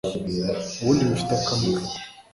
ubundi bifite akamaro